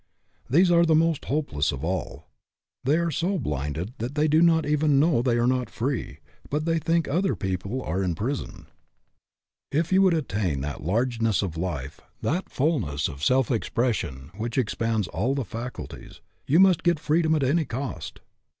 These are the most hopeless of all. They are so blinded that FREEDOM AT ANY COST 49 they do not even know they are not free, but they think other people are in prison. If you would attain that largeness of life, that fulness of self expression, which expands all the faculties, you must get freedom at any cost.